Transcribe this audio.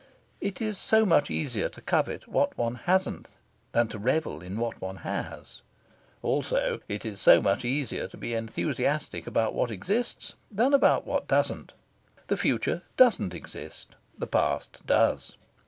It is so much easier to covet what one hasn't than to revel in what one has. Also, it is so much easier to be enthusiastic about what exists than about what doesn't. The future doesn't exist. The past does.